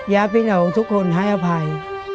อยากให้นองทุกคนให้อภัย